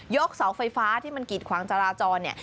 ยกเสาไฟฟ้าที่มันกรีดขวางจาราจร